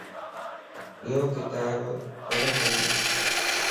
يو ڪتاب پڙتون